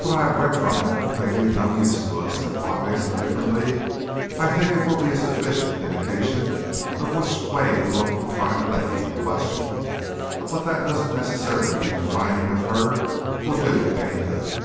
"What I have read from it may be of no use to us," said Wise, indifferently; "I think it will be a sufficient indication of which way to look to find the lady in question, but that doesn't necessarily mean the finding of her will do any good."